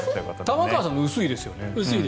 玉川さんの薄いですよね。